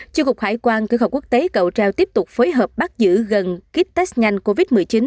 chiêu cục hải quan cửa khẩu quốc tế cầu treo tiếp tục phối hợp bắt giữ gần kit test nhanh covid một mươi chín